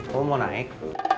kau mau naik